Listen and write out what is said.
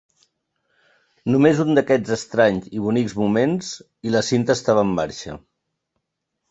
Només un d'aquests estranys i bonics moments... i la cinta estava en marxa.